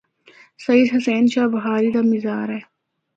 سید حسین شاہ بخاری دا مزار اے۔